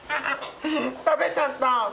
食べちゃった。